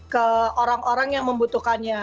ke orang orang yang membutuhkannya